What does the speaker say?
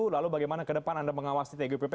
lalu bagaimana ke depan anda mengawasi tgupp